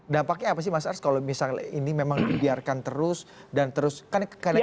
dampaknya apa sih mas ars kalau ini memang dibiarkan terus dan terus kan kadang kadang